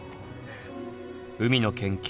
海の研究